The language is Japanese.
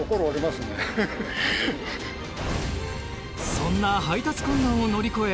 そんな配達困難を乗り越え